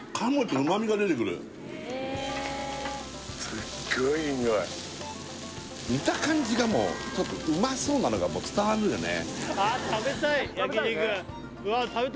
すっごいいいにおい見た感じがもううまそうなのが伝わるよね